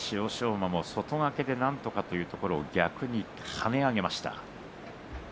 馬も外掛けでなんとかというところ逆に跳ね上げました。